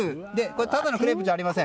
ただのクレープじゃありません。